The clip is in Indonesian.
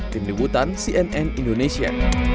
tim dinas kesehatan cnn indonesia